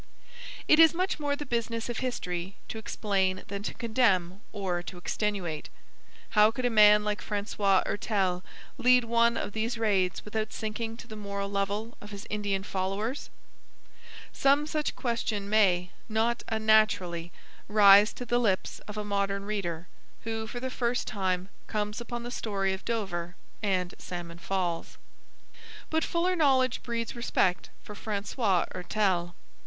It is much more the business of history to explain than to condemn or to extenuate. How could a man like Francois Hertel lead one of these raids without sinking to the moral level of his Indian followers? Some such question may, not unnaturally, rise to the lips of a modern reader who for the first time comes upon the story of Dover and Salmon Falls. But fuller knowledge breeds respect for Francois Hertel.